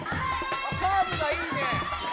あっカーブがいいね。